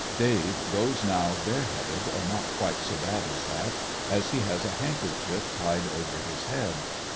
Dave goes now bareheaded, or not quite so bad as that, as he has a handkerchief tied over his head.